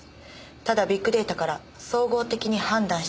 ただビッグデータから総合的に判断したとしか。